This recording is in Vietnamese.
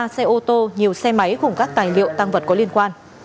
ba xe ô tô nhiều xe máy cùng các tài liệu tăng vật có liên quan